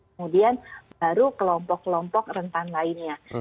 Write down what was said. kemudian baru kelompok kelompok rentan lainnya